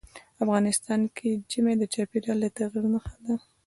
افغانستان کې ژمی د چاپېریال د تغیر نښه ده.